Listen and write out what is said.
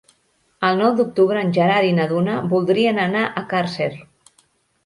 El nou d'octubre en Gerard i na Duna voldrien anar a Càrcer.